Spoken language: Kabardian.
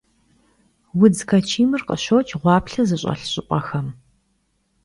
Vudz kaçimır khışoç' ğuaplhe zış'elh ş'ıp'exem.